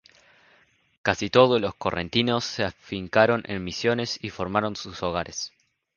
Casi todos los correntinos se afincaron en Misiones y formaron sus hogares.